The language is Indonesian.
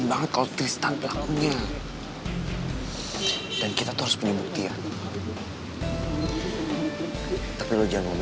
bener juga sih kata bu